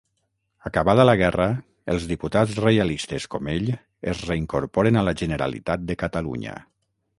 Acabada la guerra, els diputats reialistes com ell es reincorporen a la Generalitat de Catalunya.